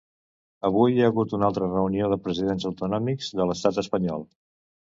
Avui hi ha hagut una altra reunió de presidents autonòmics de l’estat espanyol.